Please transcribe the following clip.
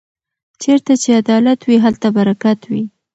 چېرته چې عدالت وي هلته برکت وي.